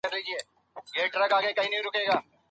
ژبه انعکاس جوړوي.